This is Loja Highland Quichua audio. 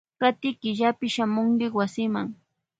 Kati killapi shamunki wasima.